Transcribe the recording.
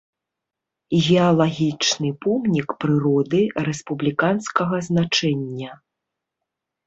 Геалагічны помнік прыроды рэспубліканскага значэння.